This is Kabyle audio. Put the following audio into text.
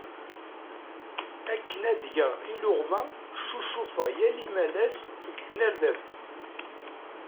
Akken ad geɣ iluɣma, ccucufeɣ yal imalas deg tnerdabt.